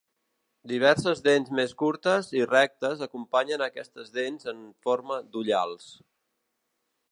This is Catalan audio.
Diverses dents més curtes i rectes acompanyen a aquestes dents en forma d'ullals.